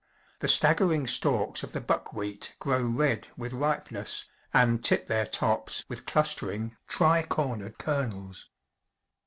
The staggering stalks of the buckwheat grow red with ripeness, and tip their tops with clustering tricornered kernels.